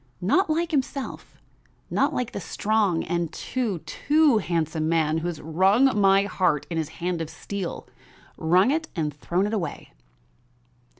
Not like himself, not like the strong and too, too handsome man who has wrung my heart in his hand of steel, wrung it and thrown it away."